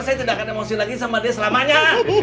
saya tidak akan emosi lagi sama dia selamanya